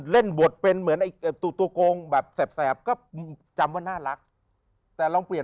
เล่นบทเป็นเหมือนไอ้ตัวโกงแบบแสบก็จำว่าน่ารักแต่ลองเปลี่ยน